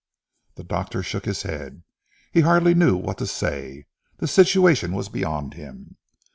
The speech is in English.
The doctor shook his head. He hardly knew what to say. The situation was beyond him.